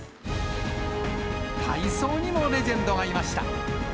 体操にもレジェンドがいました。